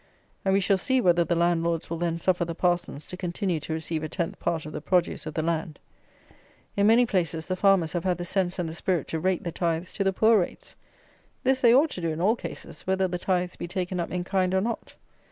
And, we shall see, whether the landlords will then suffer the parsons to continue to receive a tenth part of the produce of the land! In many places the farmers have had the sense and the spirit to rate the tithes to the poor rates. This they ought to do in all cases, whether the tithes be taken up in kind or not.